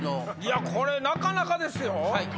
これなかなかですよ！